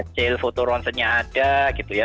cil fotoronsennya ada gitu ya